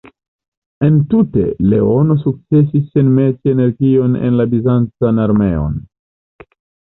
Entute, Leono sukcesis enmeti energion en la bizancan armeon.